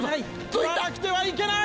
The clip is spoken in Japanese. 取らなくてはいけない！